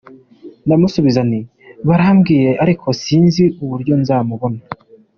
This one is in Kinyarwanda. Ndamusubiza nti : barabimbwiye ariko sinzi uburyo nzamubona.